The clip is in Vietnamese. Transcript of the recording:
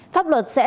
pháp luật sẽ